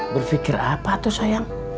berfikir apa tuh sayang